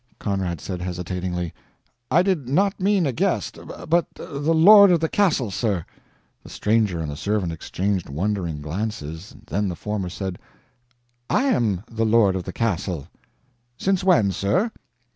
Conrad said, hesitatingly: "I did not mean a guest, but the lord of the castle, sir." The stranger and the servant exchanged wondering glances. Then the former said: "I am the lord of the castle." "Since when, sir?"